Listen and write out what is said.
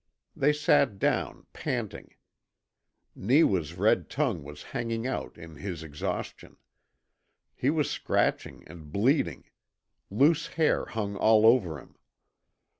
They sat down, panting. Neewa's red tongue was hanging out in his exhaustion. He was scratched and bleeding; loose hair hung all over him.